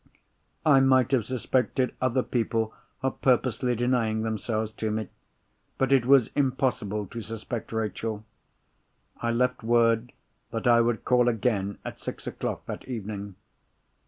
I might have suspected other people of purposely denying themselves to me. But it was impossible to suspect Rachel. I left word that I would call again at six o'clock that evening.